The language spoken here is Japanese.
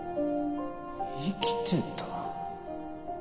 生きてた？